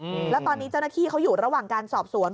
อืมแล้วตอนนี้เจ้าหน้าที่เขาอยู่ระหว่างการสอบสวน